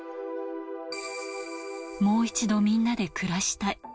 もう一度みんなで暮らしたい。